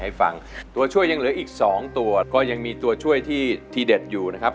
ให้ฟังตัวช่วยยังเหลืออีกสองตัวก็ยังมีตัวช่วยที่ทีเด็ดอยู่นะครับ